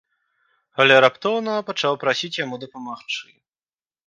Але раптоўна пачаў прасіць яму дапамагчы.